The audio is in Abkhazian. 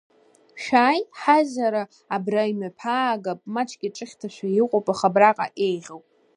Шәааи, ҳаизара абра имҩаԥаагап, маҷк иҿыхьҭашәа иҟоуп, аха абраҟа еиӷьуп.